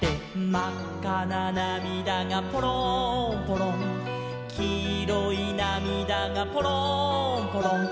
「まっかななみだがぽろんぽろん」「きいろいなみだがぽろんぽろん」